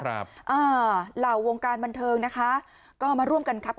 เหล่าวงการบันเทิงนะคะก็มาร่วมกันครับ